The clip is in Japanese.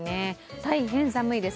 大変寒いです。